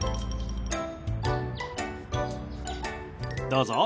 どうぞ。